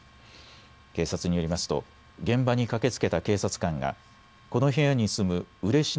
警察によりますと現場に駆けつけた警察官がこの部屋に住む嬉野